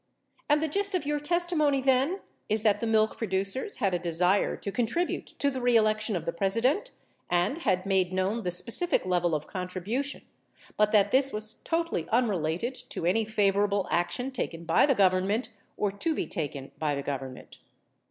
And the gist of your testimony, then, is that the milk producers had a desire to contribute to the reelection of the President, and had made known the specific level of contribution, but that this was totally unrelated to any favor able action taken by the Government or to be taken by the Government.